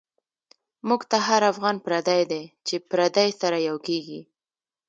مونږ ته هر افغان پردۍ دۍ، چی پردی سره یو کیږی